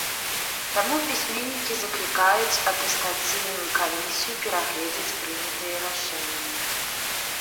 Таму пісьменнікі заклікаюць атэстацыйную камісію перагледзець прынятыя рашэнні.